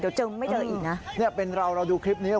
เดี๋ยวเจอไม่เจออีกนะเนี่ยเป็นเราเราดูคลิปนี้